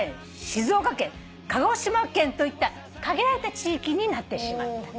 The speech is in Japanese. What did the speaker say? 静岡県鹿児島県といった限られた地域になってしまった。